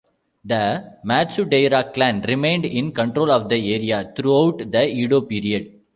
The Matsudaira clan remained in control of the area throughout the Edo period.